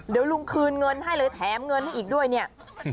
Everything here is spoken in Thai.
เดี๋ยวลุงคืนเงินให้เลยแถมเงินให้อีกด้วยเนี่ย